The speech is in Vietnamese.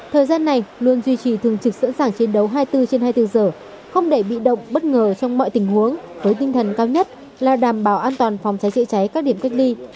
thời gian này luôn duy trì thường trực sẵn sàng chiến đấu hai mươi bốn trên hai mươi bốn giờ không để bị động bất ngờ trong mọi tình huống với tinh thần cao nhất là đảm bảo an toàn phòng cháy chữa cháy các điểm cách ly